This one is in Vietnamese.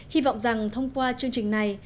hy vọng rằng thông qua chương trình này